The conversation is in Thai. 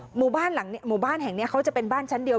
หมู่บ้านแห่งนี้เขาจะเป็นบ้านชั้นเดียว